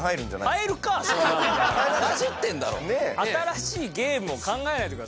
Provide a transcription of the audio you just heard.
新しいゲームを考えないでください。